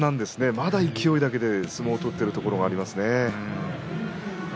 まだ勢いだけで相撲を取っているところがありますね。